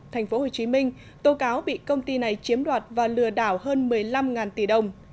tp hcm tố cáo bị công ty này chiếm đoạt và lừa đảo hơn một mươi năm tỷ đồng